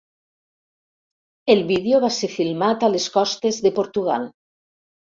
El vídeo va ser filmat a les costes de Portugal.